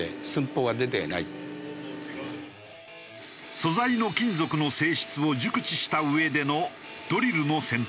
素材の金属の性質を熟知したうえでのドリルの選定。